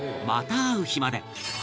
『また逢う日まで』